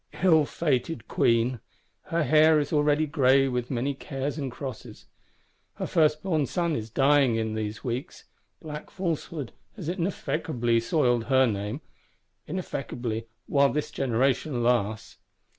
Ill fated Queen! Her hair is already gray with many cares and crosses; her first born son is dying in these weeks: black falsehood has ineffaceably soiled her name; ineffaceably while this generation lasts.